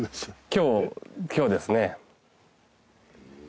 今日今日ですね。